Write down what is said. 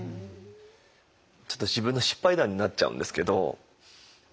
ちょっと自分の失敗談になっちゃうんですけど。